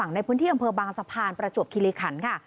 ในพื้นที่อำเภอบางสะพานประจวบคิริขันค่ะ